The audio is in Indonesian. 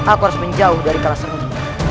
aku harus menjauh dari kalas sering